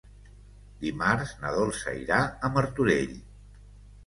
Dimarts na Dolça irà a Martorell.